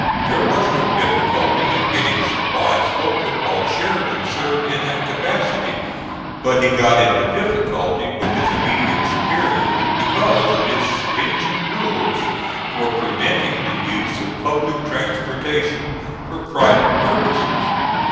There was no difficulty in getting supplies forward while Sheridan served in that capacity; but he got into difficulty with his immediate superiors because of his stringent rules for preventing the use of public transportation for private purposes.